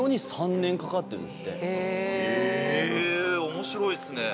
面白いですね！